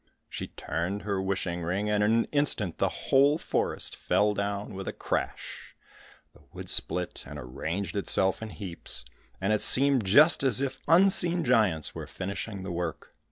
She turned her wishing ring, and in an instant the whole forest fell down with a crash, the wood split, and arranged itself in heaps, and it seemed just as if unseen giants were finishing the work.